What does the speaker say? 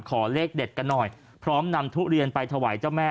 ขอเลขเด็ดกันหน่อยพร้อมนำทุเรียนไปถวายเจ้าแม่